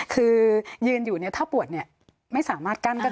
คือยืนอยู่ถ้าปวดไม่สามารถกั้นได้